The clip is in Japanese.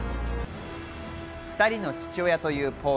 ２人の父親というポール。